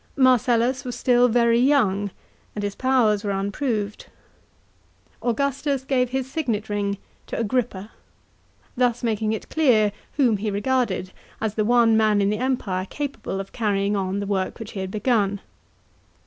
Marcellus was still very young, and his powers were unproved. Augustus gave his signet ring to Agrippa, thus making it clear whom he regarded as the one man in the Empire capable of carrying on the work which he had begun.